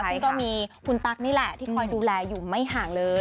ซึ่งก็มีคุณตั๊กนี่แหละที่คอยดูแลอยู่ไม่ห่างเลย